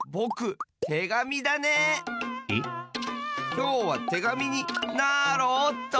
きょうはてがみになろおっと！